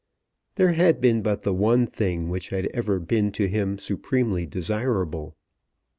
There had been but the one thing which had ever been to him supremely desirable.